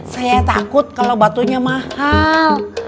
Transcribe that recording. saya takut kalau batunya mahal